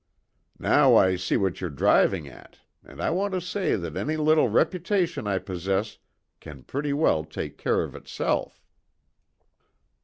Now I see what you're driving at, and I want to say that any little reputation I possess can pretty well take care of itself."